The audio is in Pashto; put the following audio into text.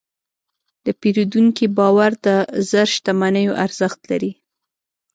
د پیرودونکي باور د زر شتمنیو ارزښت لري.